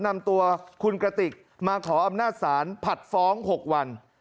นำตัวคุณกระติกมาขออำนาจศาลผัดฟ้อง๖วัน